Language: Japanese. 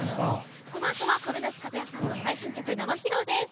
このあとは亀梨和也さんの最新曲生披露です。